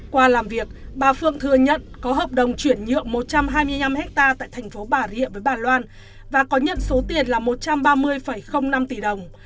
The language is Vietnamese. qua làm việc bà phượng thừa nhận có hợp đồng chuyển nhượng một trăm hai mươi năm hectare tại thành phố bà rịa với bà loan và có nhận số tiền là một trăm ba mươi năm tỷ đồng